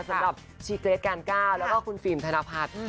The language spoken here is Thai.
สำหรับชีเกรทการก้าวแล้วก็คุณฟิล์มธนพัฒน์